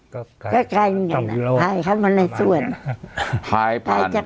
ก็มีไกลกันกันพายเข้ามาซ่วย